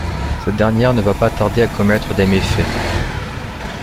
Cette dernière ne va pas tarder à commettre des méfaits.